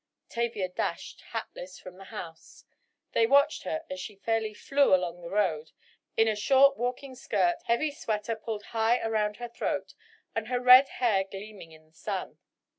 Tavia dashed, hatless, from the house. They watched her as she fairly flew along the road, in a short walking skirt, heavy sweater pulled high around her throat, and her red hair gleaming in the sun.